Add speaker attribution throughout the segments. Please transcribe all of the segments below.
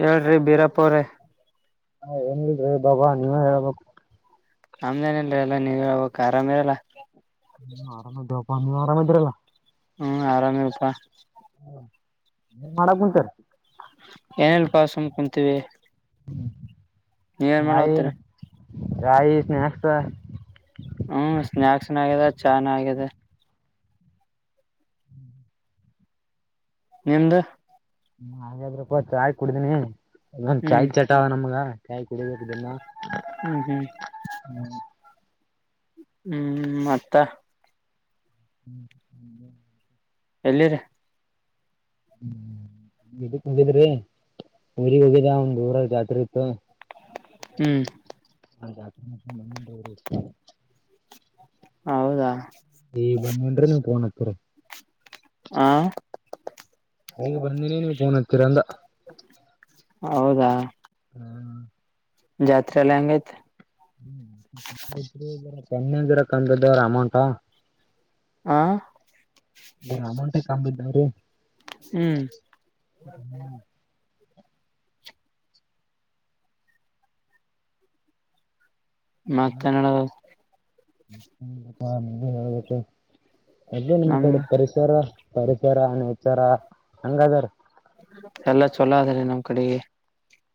Speaker 1: ಹೇಳಳ್್ರಿ ಬಿೀರಾಪ್ರ.
Speaker 2: ಹಾ ಏನ್ ಹೇಳ್ರಿ ಬಾಬಾ ನೀವೇ ಹೇಳ್ಬೇಕ.
Speaker 1: ಆಮ್ದೇನಲ್ರ ಎಲ್ಲಾ ನೀವೋಗಕ್ ಆರಾಮ ಇರಲ್ಲ.
Speaker 2: ನೀ ಆರಾಮ ಮತ ಅ ಅ ನೀ ಆರಾಮ ಮದರಲ್ಲ
Speaker 1: ಹ್ಮ್ ಆರಾಮೇ ಇಪಾ
Speaker 2: ಏನ್ ಮಾಡಕ್ ಕುಂತೀರಿ
Speaker 1: ಏನಲ್ ಪಾಸಮ ಕುಂತೀವಿ, ನೀವ ಏನ್ ಮಾಡ ಹೋಗ್ತರಿ,
Speaker 2: ರಾಯ ಸ್ನಾಯಕ್ಸ್,
Speaker 1: ಹ್ಮ್ ಸ್ನಾಯಕ್ಸ್ ನ ಆಗಿದೆ ಚಾ ಆಗಿದೆ. ನಿ್ದ
Speaker 2: ಹಾಗಾದ್ರೂ ಕತ್ ಆಯಕ್ ಕುಡ್ದೀನಿ, ಅಂದ್
Speaker 1: ಹ್ಮ್
Speaker 2: ಚಾಯ್ ಚಟಾವ ನಮ್ಗೆ ಕಾಯಿ ಕುಡಬೇಕ ಇದನ್ನ
Speaker 1: ಹ್ಮ್ ಹ್ಮ್ ಹ್ಮ್ ಮತ್ತ
Speaker 2: ಹ್ಮ್ ಹ
Speaker 1: ಎಲ್ಲಿರಿ
Speaker 2: ಹ್ಮ ಇದಕ್ ಹೋಗಿದ್ರಿ ಊಗ್ ಹೋಗಿದ ಒಂದ ಊರ ಜಾತ್ರೆ ಇತ್ತು.
Speaker 1: ಹ್ಮ್
Speaker 2: ಹ ಜಾ.
Speaker 1: ಹೌದಾ
Speaker 2: ಬಂದನ್ರಿ ನೀವ್ ಫೋನ್ ಹಕ್ತರ
Speaker 1: ಹ
Speaker 2: ಹಗ ಬಂದನಿ ನೀವು ಫೋನ್ ಹಾಕ್ತೀರಾ ಅಂತ
Speaker 1: ಹೌದಾ ಜಾತ್ರರೆಲ್ಲಂಗತ
Speaker 2: ಹ್ಮ [unintelligible] ತನ್ನಂಗರಕ್ಕ ಅಂದ್ದ ಅವರ ಅಮೌಂಟಾ
Speaker 1: ಹಾ
Speaker 2: ಗ್ರ ಅಾಮೌಟೆ ಕಾಮಿದ್ದಾವ್ರೀ
Speaker 1: ಹ್ಮ್ ಮ ಕನ್ನಡ
Speaker 2: ಹ ಅದು ನಿಮ್
Speaker 1: ನಮ್
Speaker 2: ಕಡೆ ಪರಿಸರ ಪರಿಸರಿಸರ ನೇಚರ ಹೆಂಗದಾರ
Speaker 1: ಎಲ್ಲ ಚೊಲೋ ಆದಾರೆ ನಮ್ ಕಡೆಗೆ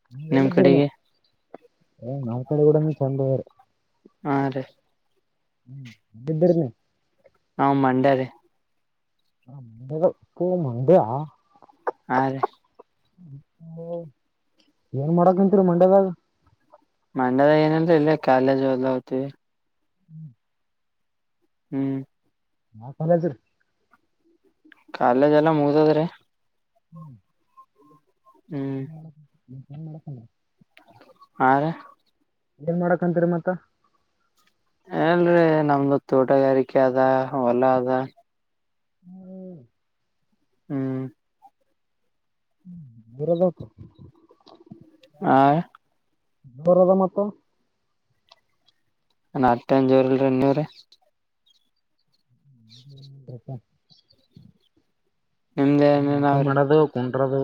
Speaker 2: ಹ್ಮ
Speaker 1: ನಿಮ್
Speaker 2: ಎಲ್ಲಿದ್ದೀರಿ
Speaker 1: ಕಡೆಗೆ
Speaker 2: ಮತ್ತೆ ಏ ನಾಲ್ ಕಡೆ ಕೂಡ ಚೆಂದವಾರ
Speaker 1: ಹಾ ರೀ
Speaker 2: ಬಿಧರನ
Speaker 1: ನಾ್ ಮಂಡಾರೆ
Speaker 2: ಹ ಮು ತು ಮಂದ
Speaker 1: ಹಾ ರೀ
Speaker 2: ಏನ್ ಮಾಡಕಂತರಿ ಮಂಡ್ಯದ್ಯಾಗ
Speaker 1: ಮಂಡ್ಯದ ಏನಲ್್ರ ಇಲ್ಲಿ ಕಾಲೇಜು ಎಲ್ಲ ಹತವಿ
Speaker 2: ಹ್ಮ್
Speaker 1: ಹ್ಮ್
Speaker 2: ಹಾ ಕಲತ
Speaker 1: ಕಾಲೇಜ್ ಎಲ್ಲ ಮುಗ್ದದ್ರಿ
Speaker 2: ಹ್ಮ್
Speaker 1: ಹ್ಮ್
Speaker 2: ಹ್ಮ್ಮ್. ಹ್ಮ
Speaker 1: ಹ
Speaker 2: ಏನ್ ಮಾಡಕ್ಂತರಿ ಮತ್ತ
Speaker 1: ಎಲ್ರರಿ ನಮ್ದು ತೋಟಗಾರಿಕೆ ಅದ ಹೊಲ ಅದ
Speaker 2: ಹ್ಮ್
Speaker 1: ಹ್ಮ್
Speaker 2: ಹ್ಮ ಊರದ
Speaker 1: ಹಾ
Speaker 2: ದೋರದ ಮತ್ತ
Speaker 1: ನ ಅತ್ತ ಜೋರಿಲ್ರರಿ ಇ ನೀವ್ರ
Speaker 2: ಹಪ್ಪ
Speaker 1: ನಿಮ್ದ ಏನೇನ್
Speaker 2: ಊಟ ಮಾಡೋದು ಕು ಗಡದ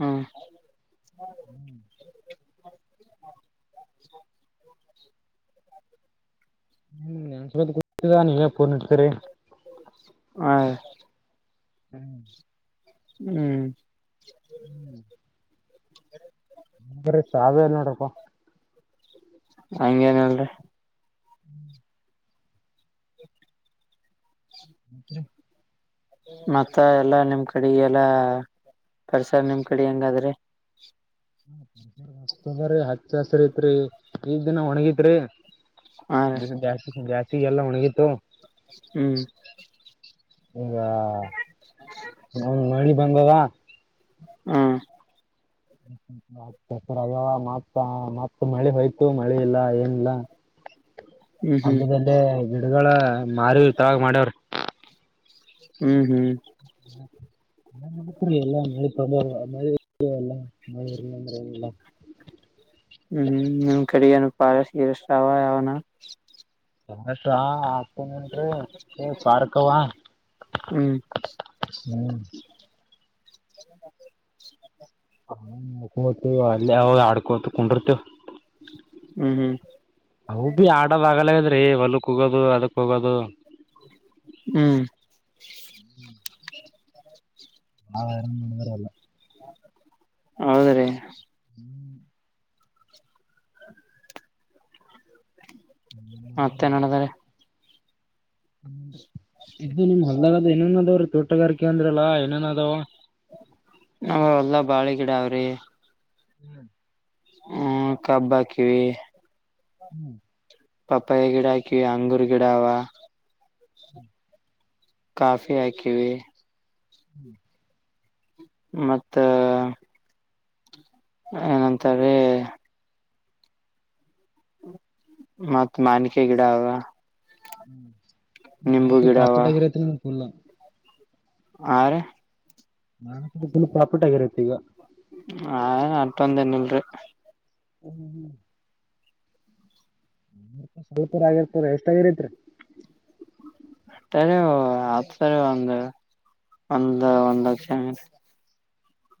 Speaker 1: ಹ್ಮ ಹ್ಮ ಹ್ಮ್ಮ್.
Speaker 2: ಹ್ಮ್ ನನ್ಸತ್ ಕುಡ್ತದಾ ನೀವಫೋನ್ ಇಡ್ತೀರಿ
Speaker 1: ಹ
Speaker 2: ಹ್ಮ್
Speaker 1: ಹ್ಮ್
Speaker 2: ಹ್ಮ್
Speaker 1: ಹ
Speaker 2: ಬ್ರ ಸಾವೇ ನೋಡಕ್ಕ
Speaker 1: ಹಂಗೇನಲ್ರಿ
Speaker 2: ಹ್ಮ್
Speaker 1: ಹ
Speaker 2: ಹ
Speaker 1: ಮತ್ತ ಎಲ್ಲಾ ನಿಮ್ ಕಡೆ ಎಲ್ಲಾ ಪರ್ರಿಸರ ನಿಮ್ ಕಡೆ ಹೆಂಗಾದ್ರೆ
Speaker 2: ೀ ಹತ್ ಸಸ್್ರ ಐತ್ರಿ ಈ್ ದಿನ ಒಣಗತ್ರಿ
Speaker 1: ಹಾ ರೀ
Speaker 2: ದಾಿ ಎಲ್ಲ ಒಣಗಿತ್ತು
Speaker 1: ಹ್ಮ್
Speaker 2: ಹ್ಮ್ ಅವ ಮಾಡಿ ಬಂಗವಾ
Speaker 1: ಹ್ಮ್
Speaker 2: ಅ ಮತ್ ಮತ್ತ ಮಳೆ ಹೋಯ್ತು ಮಳೆ ಇಲ್ಲ ಏನಿಲ್ಲ
Speaker 1: ಹ್ಮ್
Speaker 2: ಅದುದಲ್ಲೆ ಗಿಡಗಳ ಮಾರ ತರಾಗ ಮಾಡ್ಯವ್ರ
Speaker 1: ಹ್ಮ್ ಹ್ಮ್
Speaker 2: ಹ ನನ್ ಹತ್ೀ ಎಲ್ಲ ಮ ಮಳೆ ಇಲ್ಲ ಮಳೆ ಇರ್ಲ್ಲಲ್ಲ
Speaker 1: ಹ್ಮ್ ನ ಕಡೆನ ಪಾರ ಸೀರೆಷ್ಟಾವ ಯಾವನ
Speaker 2: ಸಸ ನ್ ಸ್ಾರ್ಕವಾ [unintelligible]
Speaker 1: ಹ್ಮ್
Speaker 2: ಹ್ಮ್ ಹ್ಮ ಓತ ಅಲ್ಲಿ ಯವು ಆಡ್ಕೋತ ಕುೊಂಡಿರ್ತವ
Speaker 1: ಹ್ಮ್ ಹ್ಮ್
Speaker 2: ಹೌ ಬಿ ಆಡ ಬಾಗಲ್ಲ ೀಹೊಲ್ಕ್ ಹೋಗೋದು ಅದಕ್ ಹೋಗೋದು
Speaker 1: ಹ್ಮ್
Speaker 2: ಹಾರಂದರ ಅಲ್ಲ.
Speaker 1: ಹೌದ್ರೀ. ಮತ್ತೆ ನಡದಾರೆ.
Speaker 2: ಇದು ನಿಮ್ ಹಲ್ದಾಗ ಏನೇನ್ ಅದಾವ್ರೀ ತೋಟಗಾರಿಕೆ ಅಂದ್ರಲ್ಲಾ ಏನೇನ್ ಅದಾವ.
Speaker 1: ನ ಎಲ್ಲಾ ಬಾಳೆ ಗಿಡ ಅವ್ರಿ.
Speaker 2: ಹ್ಮ್.
Speaker 1: ಹ್ಮ್ ಕಬ್ಬಾಕಿವ.
Speaker 2: ಹ್ಮ್.
Speaker 1: ಪಪ್ಪಾಯ ಗಿಡ ಹಾಕಿ ಅಂಗೂರ್ ಗಿಡಾವ. ಕಾಫಿ ಹಾಕಿವಿ.
Speaker 2: ಹ್ಮ್
Speaker 1: ಮತ್ತ ಏನಂತಾರೆ. ಮತ್ತ್ ಮಾನ್ಿಕೆ ಗಿಡ ಅವ.
Speaker 2: ಹ್ಮ
Speaker 1: ನಿಂಬು
Speaker 2: ನನ್ಕ
Speaker 1: ಗಿಡ
Speaker 2: ಪ್ರಾಪಿಟ್ ಆಗಿರತಿ. ಪಲ.
Speaker 1: ಆ.
Speaker 2: ನಾ ಹತ್ರ ತುಂಬ ಪ್ರಾಫಿಟ್ ಆಗಿರತ್ತೆ ಈಗ.
Speaker 1: ಹ ಅಟ್ೊಂದ ಏನಿಲ್ರಿ.
Speaker 2: ಹ್ಮ್ ಹ್ಮ್. ಸ್ವಲ್ಪರ ಆಗಿರ್ತರ ಎಷ್ಟಾಗಿರ್ೈತ್ರಿ.
Speaker 1: ಅರಿ ಹಪ್ತಾರೆ ಒಂದು ಒಂದ ಒಂದ್ತ್ತು.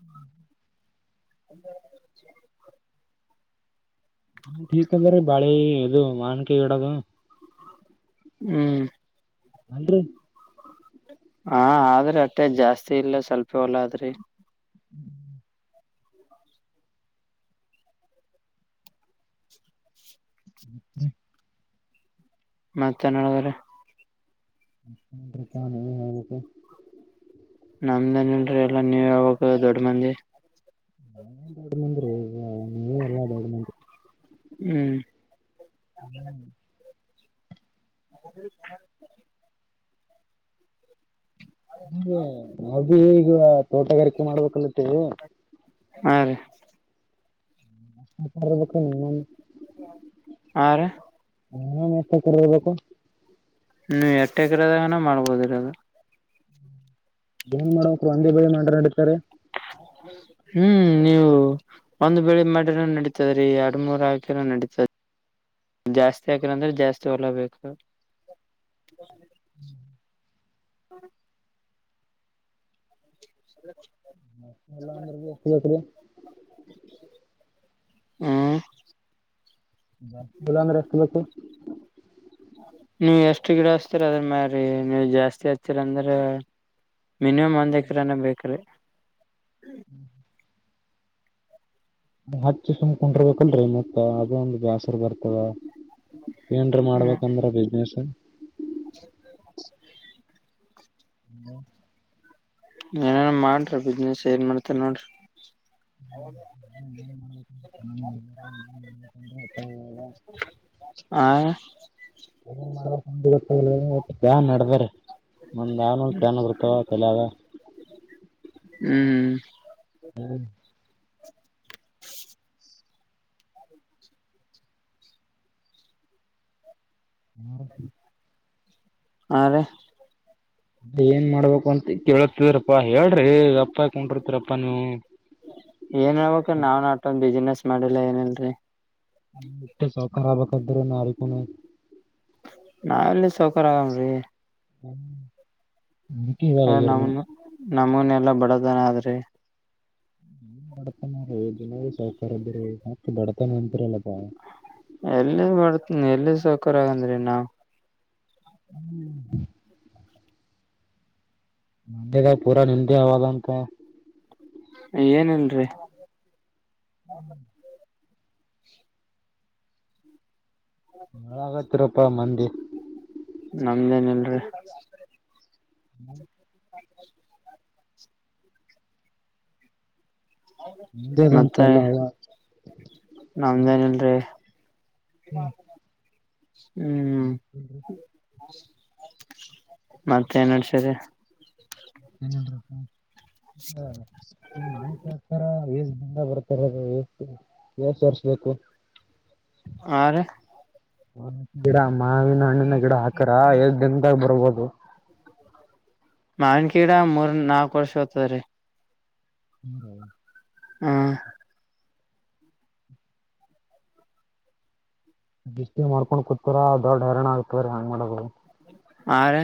Speaker 2: ಹ್ಮ್.
Speaker 1: ಹ [unintelligible]
Speaker 2: ಹ್ಮ ೀಕ್ ಅಂದ್ರೀ ಬಾಳಿ ಇದು ಮಾನ್ಕ ಇಡದು
Speaker 1: ಹ್ಮ್
Speaker 2: ಅ
Speaker 1: ಹಾ ಆದ್ರೆ ಅಟ್ಟೆ ಜಾಸ್ತಿ ಇಲ್ಲ ಸ್ವಲ್ಪ ಹೊಲ ಆದ್ರಿ.
Speaker 2: ಹ್ಮ್ ಹ್ಮ್ಮ್.
Speaker 1: ಮತ್ತ ಚೆನ್ನಡಗ್ರ
Speaker 2: ಪ [unintelligible]
Speaker 1: ನಮ್ದನ್ಲ್ರರಿ ಎಲ್ಲಾ ನೀವ ಯ ದೊಡ್ ಮಂದಿ.
Speaker 2: ನಡಂದ್ರೀ. ನೀ ಎಲ್ಲ
Speaker 1: ಹ್ಮ್
Speaker 2: ಹ್ಮ.
Speaker 1: ಹ.
Speaker 2: ನಗೆ ನಾವ ಭೀ ಈಗ ತೋಟಗಾರಿಕೆ ಮಾಡ್ಬೇಕಲತ್ತೇ.
Speaker 1: ಹಾ ರೀ.
Speaker 2: ಬೇಕ ನೀ.
Speaker 1: ಆ.
Speaker 2: ಹ್ಮ ಮೆಸಕಬೇಕು.
Speaker 1: ನೀ ಎಟ್ಟ ಎಕಿರದಾಗನ ಮಾಡ್ಬೋದಿರೋದು.
Speaker 2: ಏನ್ ಮಾಡೋ ಕ ಅಂದಿ ಬಳಿ ಮಾಟನಾಡತಾರೆ.
Speaker 1: ಹ್ಮ್ ನೀವು ಒಂದ್ ಬೆಳಿ ಮಾಡಿರ ನಡೀತದ್ರಿ ಎರಡು ಮೂೂರ್ ಹಾಕಿರ ನಡೀತದ ಜಾಸ್ತಿ ಹಾಕಿರಂದ್ರೆ ಜಾಸ್ತಿ ಹೊಲ ಬು.
Speaker 2: ಹ್ಮ್.
Speaker 1: ಹ. ಹ.
Speaker 2: ಮ ಎಲ್ಲ ಅಂದ್ರ ಬಿ ಎಷ್ಟ ಗಟ್ರಿ
Speaker 1: ಹ್ಮ
Speaker 2: ಬ ಬಲಂದ್ರಷ್ಟತ ಬೇಕು.
Speaker 1: ನೀವ್ ಎಷ್ಟು ಗಿಡ ಹಚ್ತೀರ ಅದ್ರ ಮರಿ ನೀವ ಜಾಸ್ತಿ ಹತೀರಂದ್ರ ಮಿನಿಮಮ್ ಒಂದ್ ಎಕರಾನ ಬೇಕ ರೀ.
Speaker 2: ಹ್ಮ್ ಹಚ್ಚಿ ಸುಮಕೊಂಡಿರ್ಬೇಕಲ್ರರಿ ಮತ್ತ ಅದ ಒಂದು ಬ್ಯಾಸರ್ ಬರ್ತದ ಏನ್ರ
Speaker 1: ಹ್ಮ್
Speaker 2: ಮಾಡ್ಬೇಕಂದ್ರ ಬಿಸ್ನೆಸ್
Speaker 1: [inaudible]
Speaker 2: ಹ [inaudible]
Speaker 1: ಏನೇನ್ ಮಾಡ್ರಿ ಬಿಸ್ನೆಸ್ ಏನ್ ಮಾಡ್ತಾರ ನೋಡ್ರಿ
Speaker 2: [inaudible]
Speaker 1: ಆ
Speaker 2: [unintelligible] ಜಾನ್ ನಡದಾರೆ ಒಂದ್ ಯನ ಪ್ರಾಣ ಬರ್ತವ ತಲದ
Speaker 1: ಹ್ಮ್್ಮ
Speaker 2: ಹ್ಮ್ ಹ್ಮ್ರ [unintelligible]
Speaker 1: ಹ
Speaker 2: ಏನ್ ಮಾಡ್ಬೇಕು ಅಂತ ಕೇಳತಿದ್ರಪ್ಪಾ ಹೇಳ್ರಿ ಅ
Speaker 1: ಏನ್ ಹೇಳ್ಬೇಕ ನಾವ ನೊಂದು ಬಿಸಿನೆಸ್ ಮಾಡಿಲ್ಲಾ ಏನಲ್ರರಿ
Speaker 2: ಸಾವಖರಬಖದರ ನ ಅವಿಕೂನ
Speaker 1: ನಾವೆಲ್ಲಿ ಸೌಕಾರ ಆಗನ್್ರೀ
Speaker 2: ಹ್ಮ್ ಟಿಗೆ ವಲೆಗರನು
Speaker 1: ನಮೂನೆ ಎಲ್ಲ ಬಡದನ ಆದ್ರೆ.
Speaker 2: ನ್ ಬಡ್ತಾನ ರೀ ದಿನವ ಸೌಕಾರದ್ರೀ ಬಡತಾನ ಅಂತರಲ್ಲ
Speaker 1: ಎಲ್ಲ ಮಾಡರ್ತನಿ ಎಲ್ಲ ಸಾಕ ಕ್ಕರಗಂದ್ರೀ ನಾ್
Speaker 2: ಹ್ಮ್ ನಂದಗ ಪೂರಾ ನಂದೆ ಅವಾಗಂತ
Speaker 1: ಏನಲ್ರಿರಿ.
Speaker 2: ಮಳ ಆಗತ್ತರಪ್ಪ ಮಂದಿ
Speaker 1: ನಮ್ದೇನ ಇಲ್ರಿ
Speaker 2: ಹ್ಮ ನಿಮ್ದೇದಂತ
Speaker 1: ಮತ್ತೆ
Speaker 2: ಎಲ್ಲ
Speaker 1: ನಮ್ದೇನಲ್ರಿ ಹ ಹ್ಮ್ ಮತ್ತ ನ್ಡ್ಸರಿ
Speaker 2: ಏನಪ್ಪ ನಿಮ್ಮ ಮಾನ್ಸಥರ ಬರ್ತಾರೆ ಅ ಎಷ್ಟು ಎಷ್ಟು ವರ್ಷ ಬೇಕು
Speaker 1: ಆ
Speaker 2: ಗಿಡ ಮಾವಿನ ಹಣ್ಣಿನ ಗಿಡ ಹಾಕರ ಎದ ದಿನದಾಗ ಬರ್ಬೋದು
Speaker 1: ಮಾವನ್ ಗಿಡ ಮೂರ್ ನಾಲ್ಕು ವರ್ಷ ಹತದ್ರೀ
Speaker 2: ಹ್ಮ್ ಹೌ
Speaker 1: ಹ್ಮ
Speaker 2: ದಷ್ಟ ಮಾಡ್ಕೊಂಡು ಕುೂತರ ದೊಡ್ಡ ಹೈರಾಣ ಆಗ್ತವ್ರ ಹೆಂಗ ಮಾಡದು
Speaker 1: ಹ ರ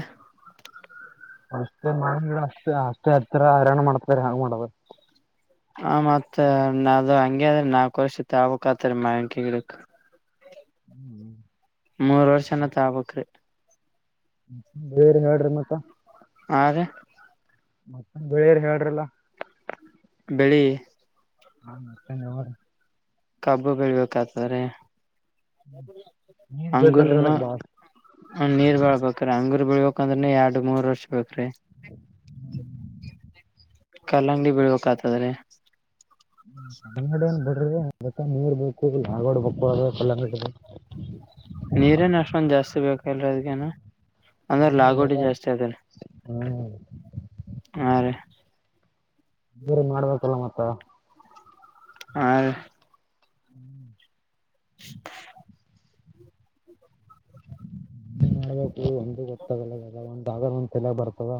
Speaker 2: ಅಷ್ಟೇ ಮಾಡ-ಡ ಆಷ್ಟ ಎತ್ರ ಆರಣ ಮಾಡತ್ರರಾಗ ಮಾಡವ
Speaker 1: ಹ ಮತ್ ಅದು ಹಂಗಗೆ ಅದ್ರ ನಾಲ್ಕು ವರ್ಷ ತಬಕ್ತರಿ ಮ್ಯಾಂಕ-ಕ್
Speaker 2: ಹ್ಮ್್ಮ
Speaker 1: ಮೂರ್ ವರ್ಷನ ತ ಆಬಕ್್ರಿ
Speaker 2: ಬೇರೆ ಹೇಳಡ್ರಿ ಮತ್ತ
Speaker 1: ಹಾಗ
Speaker 2: ಮತ್ತ ಬೆಳೆಯರ್ ಹೇಳ್ರಲ್ಲ
Speaker 1: ಬೆಳಿ
Speaker 2: ಹಾ ಮತ್ತೆನ್ವರು
Speaker 1: ಕಬ್ಬು ಬೆಳ್ಬೇಕತಾರೆ
Speaker 2: ನೀರ್ ಬೇಕಲ್ರಿ
Speaker 1: ಅಂಗೂರನು
Speaker 2: ಅದಕ್ ಬಾಳ
Speaker 1: ನೀರ್ ಬಳ್ಬೇಕ್ರ ಅಂಗೂರ್ ಬೆಳ್ ಮುಕಂದ್ರೆ ಎರಡು ಮೂರ್ ವರ್ಷ ಬೇಕ್ರೀ ಕಲ್ಲಂಗ್ಡಿ ಬೀಳ್ಬೇಕಕ್ ಆತದ್ರೆ
Speaker 2: ್ಮ ನ ಎಡೆ ಬ ನೀರ್ ಬೇಕು ಹಗೋಡ್ಬೇಕು ಅ ಕಲ್ಲಂಗ
Speaker 1: ನೀರೇನ ಅಷ್ಟೊಂದ ಜಾಸ್ತಿ ಬೇಕಲ್ರ ಅದ್ಗೇನ ಅಂದ್ರೆ
Speaker 2: ನೀರ್
Speaker 1: ಲಾಗೋಡಿ
Speaker 2: ಬೇಕಾದ
Speaker 1: ಜಾಸ್ತಿ ಅತ್ರ
Speaker 2: ಹ್ಮ್
Speaker 1: ಹ ರೀ
Speaker 2: ಬೇರೆ ಮಾಡ್ಬೇಕಲ್ಲ ಮತ್ತ
Speaker 1: ಆ
Speaker 2: ಹ್ಮ್
Speaker 1: [inaudible]
Speaker 2: ನ್ ಮಾಡ್ಬೇಕು ಒಂದು ಗೊತ್ತಾಗಲ್ಲ ಒಂದಾಗ ಒಂದ ತಲಗ್ ಬರ್ತದ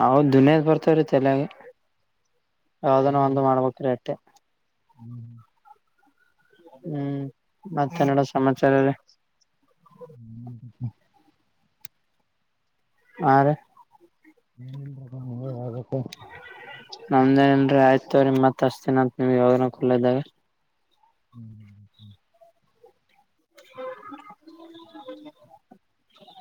Speaker 1: ಹೌದ್ ದುನಿಯಾದ್ ಬರ್ತವ್ರೀತಿ ಎಲ್ಲಾಗ ಯಾವದನ ಒಂದು ಮಾಡ್ಬೇಕಕ್್ರ ಅಷ್ಟೆ
Speaker 2: ಹ್ಮ್
Speaker 1: ಹ್ಮ್ ಮತ್ತೆ ನೋಡೋ ಸಮಾಚಾರ ರೀ
Speaker 2: ಹ್ಮ
Speaker 1: ಆ
Speaker 2: ಏನ್ ಹೇಳಬೇಕು
Speaker 1: ಸರಿ ಮತ್ ಎಷ್ಟುದಿನ ಅಂತ ನೀ ಯಾವಾಗ ಕೊಳ್ಳೆದಾಗ
Speaker 2: [unintelligible]
Speaker 1: [inaudible]